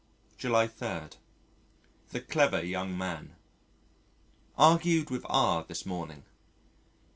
July 3. The Clever Young Man Argued with R this morning.